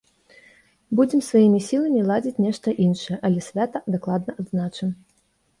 Будзем сваімі сіламі ладзіць нешта іншае, але свята дакладна адзначым!